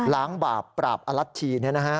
ล้างบาปปราบอลัทชีเนี่ยนะฮะ